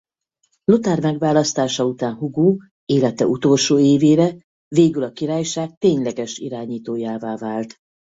Lothár megválasztása után Hugó élete utolsó évére végül a királyság tényleges irányítójává vált.